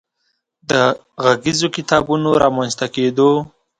د غږیزو کتابونو رامنځ ته کېدو